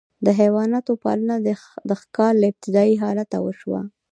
د حیواناتو پالنه د ښکار له ابتدايي حالته وشوه.